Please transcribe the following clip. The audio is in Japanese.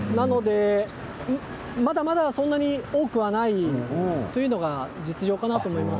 まだまだそんなに多くはないというのが実情かなと思います。